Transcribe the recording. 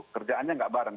kerjaannya tidak bareng